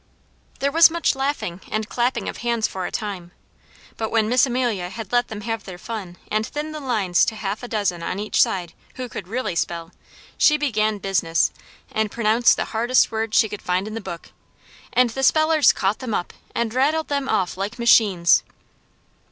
There was much laughing and clapping of hands for a time, but when Miss Amelia had let them have their fun and thinned the lines to half a dozen on each side who could really spell, she began business, and pronounced the hardest words she could find in the book, and the spellers caught them up and rattled them off like machines.